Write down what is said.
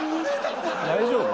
大丈夫？